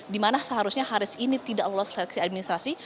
di mana seharusnya haris ini tidak lolos seleksi administrasi